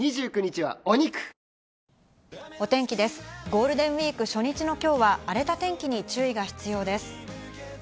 ゴールデンウイーク初日の今日は荒れた天気に注意が必要です。